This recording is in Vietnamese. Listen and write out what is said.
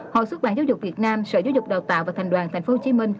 hội xuất bản giáo dục việt nam sở giáo dục đào tạo và thành đoàn tp hcm